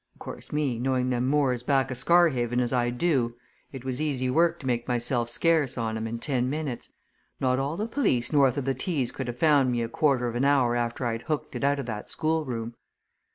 Of course, me, knowing them moors back o' Scarhaven as I do, it was easy work to make myself scarce on 'em in ten minutes not all the police north o' the Tees could ha' found me a quarter of an hour after I'd hooked it out o' that schoolroom!